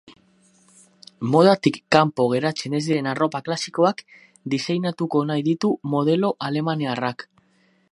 Modatik kanpo geratzen ez diren arropa klasikoak diseinatuko nahi ditu modelo alemaniarrak.